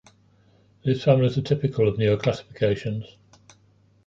These families are typical of newer classifications.